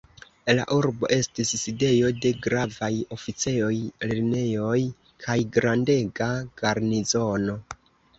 La urbo estis sidejo de gravaj oficejoj, lernejoj kaj grandega garnizono.